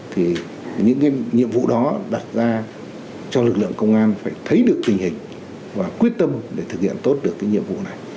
thì những nhiệm vụ đó đặt ra cho lực lượng công an phải thấy được tình hình và quyết tâm để thực hiện tốt được cái nhiệm vụ này